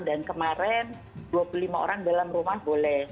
dan kemarin dua puluh lima orang dalam rumah boleh